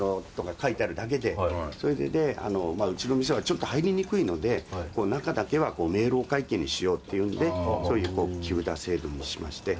それでうちの店はちょっと入りにくいので中だけは明朗会計にしようっていうんでそういう木札制度にしまして。